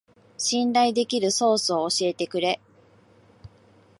信頼できるソースを教えてくれ